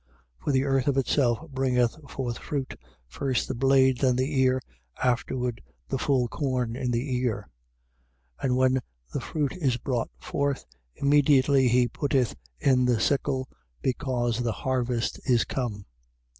4:28. For the earth of itself bringeth forth fruit, first the blade, then the ear, afterwards the full corn in the ear. 4:29. And when the fruit is brought forth, immediately he putteth in the sickle, because the harvest is come.